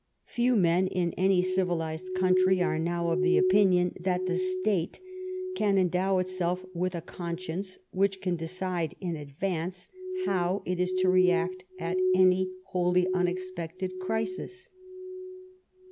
Few men in any civilized country are now of the opinion that the State can endow itself with a conscience which can decide in advance how it is to act at any wholly unexpected crisis.